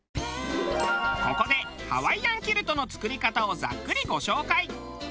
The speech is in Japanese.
ここでハワイアンキルトの作り方をざっくりご紹介。